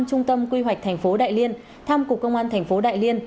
trung tâm quy hoạch tp đại liên thăm cục công an tp đại liên